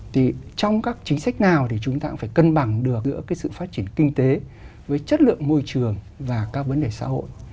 thì trong các chính sách nào thì chúng ta cũng phải cân bằng được giữa cái sự phát triển kinh tế với chất lượng môi trường và các vấn đề xã hội